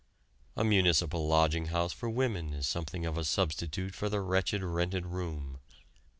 A municipal lodging house for women is something of a substitute for the wretched rented room.